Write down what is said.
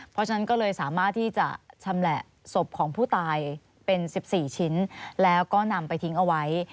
เพราะฉะนั้นก็เลยสามารถที่จะชำแหละศพของผู้ตายเป็น๑๔ชิ้นแล้วก็นำไปทิ้งเอาไว้